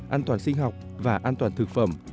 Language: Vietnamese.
an toàn sinh học và an toàn thực phẩm